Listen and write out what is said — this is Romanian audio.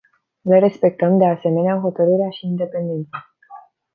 Le respectăm, de asemenea, hotărârea și independența.